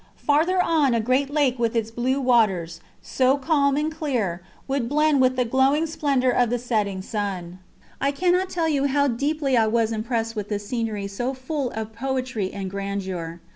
Farther on a great lake with its blue waters, so calm and clear, would blend with the glowing splendour of the setting sun. I cannot tell you how deeply I was impressed with this scenery so full of poetry and grandeur.